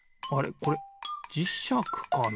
これじしゃくかな？